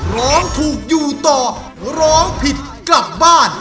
ร้องถูกอยู่ต่อร้องผิดกลับบ้าน